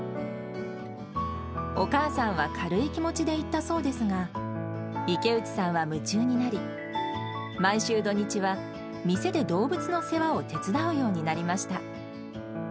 お母さんは軽い気持ちで言ったそうですが、池内さんは夢中になり、毎週土日は、店で動物の世話を手伝うようになりました。